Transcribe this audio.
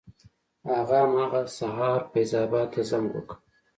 هغه همغه سهار فیض اباد ته زنګ وکړ.